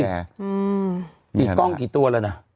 มีกล้องกี่ตัวแล้วนะ